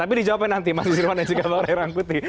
tapi dijawabkan nanti mas jusirwan dan juga pak rai rangkuti